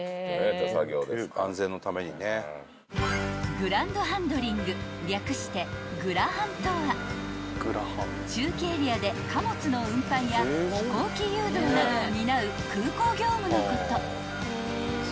［グランドハンドリング略してグラハンとは駐機エリアで貨物の運搬や飛行機誘導などを担う空港業務のこと］